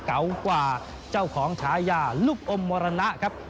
เก่ากว่าเจ้าของฉายาลูกอมมรณะครับ